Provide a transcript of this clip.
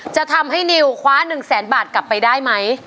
จะทำให้นิวคว้า๑แสนบาทกลับไปได้ไหม